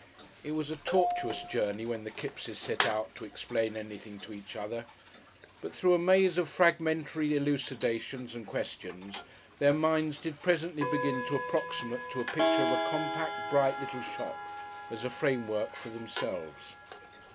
It was a tortuous journey when the Kippses set out to explain anything to each other. But through a maze of fragmentary elucidations and questions, their minds did presently begin to approximate to a picture of a compact, bright, little shop, as a framework for themselves.